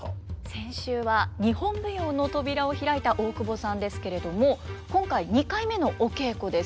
先週は日本舞踊の扉を開いた大久保さんですけれども今回２回目のお稽古です。